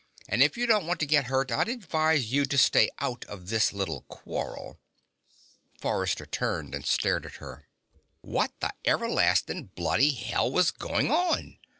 "And if you don't want to get hurt, I'd advise you to stay out of this little quarrel." Forrester turned and stared at her. What the everlasting bloody hell was going on?